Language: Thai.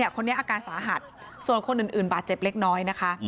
คนนี้อาการสาหัสส่วนคนอื่นบาดเจ็บเล็กน้อยนะคะ